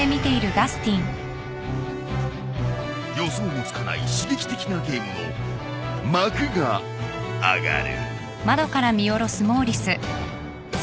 予想もつかない刺激的なゲームの幕が上がる。